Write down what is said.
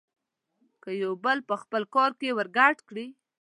که يو بل په خپل کار کې ورګډ کړي.